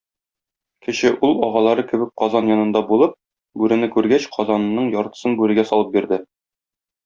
Кече ул агалары кебек казан янында булып, бүрене күргәч, казанының яртысын бүрегә салып бирде.